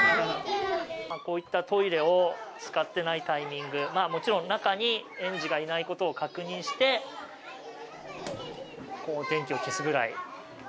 こういったトイレを使ってないタイミング、もちろん中に園児がいないことを確認して、電気を消すぐらい。